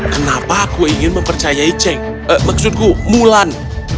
kenapa aku ingin mempercayai ceng maksudku mulan